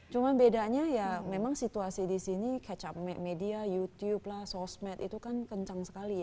cuma bedanya ya memang situasi di sini catch up media youtube lah sosmed itu kan kencang sekali ya